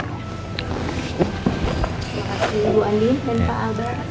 terima kasih ibu andien dan pak al lebar